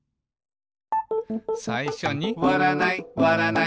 さいしょに「わらないわらないわらない」